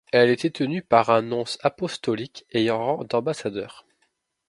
Elle était tenue par un nonce apostolique ayant rang d'ambassadeur.